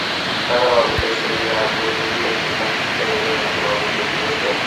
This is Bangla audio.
তাঁরা বাবুলের শরীরের আগুন নিভিয়ে তাঁকে হাসপাতালে নিলে হয়তো বাবুল বেঁচে যেতেন।